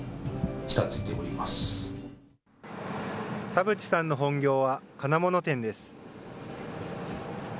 田淵さんの本業は金物店です。